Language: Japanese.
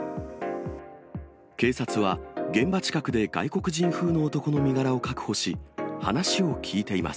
警察は、現場近くで外国人風の男の身柄を確保し、話を聴いています。